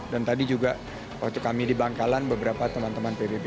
tadi juga waktu kami di bangkalan beberapa teman teman pbb